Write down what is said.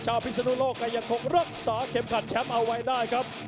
พิศนุโลกก็ยังคงรักษาเข็มขัดแชมป์เอาไว้ได้ครับ